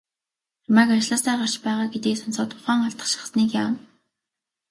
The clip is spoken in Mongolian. Чамайг ажлаасаа гарч байгаа гэдгийг сонсоод ухаан алдах шахсаныг яана.